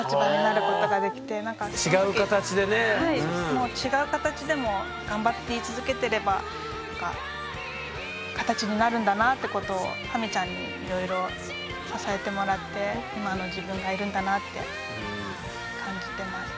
もう違う形でもがんばり続けてれば形になるんだなってことをハミちゃんにいろいろ支えてもらって今の自分がいるんだなって感じてます。